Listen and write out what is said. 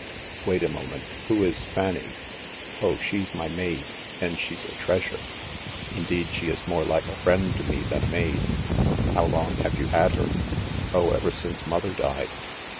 "Wait a moment. Who is Fanny?" "Oh, she's my maid — and she's a treasure. Indeed, she is more like a friend to me than a maid." "How long have you had her ?" "Oh, ever since mother died."